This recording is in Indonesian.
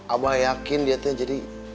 abah yakin dia tuh jadi